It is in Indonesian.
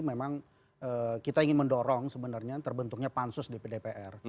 memang kita ingin mendorong sebenarnya terbentuknya pansus dpdpr